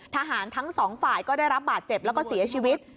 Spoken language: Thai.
ทั้งสองฝ่ายก็ได้รับบาดเจ็บแล้วก็เสียชีวิต